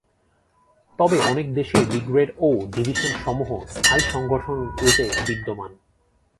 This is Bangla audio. তবে অনেক দেশেই ব্রিগেড ও ডিভিশন সমূহ স্থায়ী সংগঠন রূপে বিদ্যমান।